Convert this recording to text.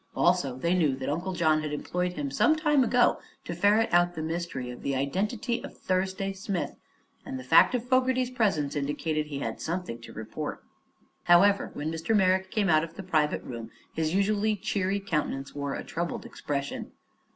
Also they knew that Uncle John had employed him some time ago to ferret out the mystery of the identity of Thursday Smith, and the fact of Fogerty's presence indicated he had something to report. However, when Mr. Merrick came out of the private room his usually cheery countenance wore a troubled expression.